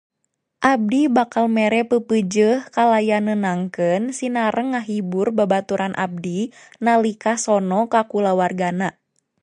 Abdi bakal mere peupeujeuh kalayan nenangkeun sinareng ngahibur babaturan abdi nalika sono ka kulawargana.